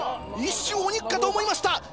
一瞬お肉かと思いました！